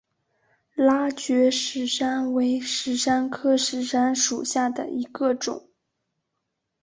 拉觉石杉为石杉科石杉属下的一个种。